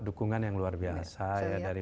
dukungan yang luar biasa ya dari